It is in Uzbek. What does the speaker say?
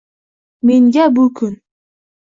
Menga bu kun